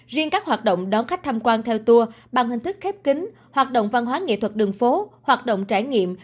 riêng các hoạt động đón khách tham quan theo tour bằng hình thức khép kính hoạt động văn hóa nghệ thuật đường phố hoạt động trải nghiệm